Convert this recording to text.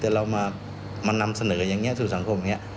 แต่เรามานำเสนออย่างนี้สู่สังคมนี้